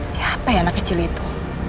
siapa ya anak kecil itu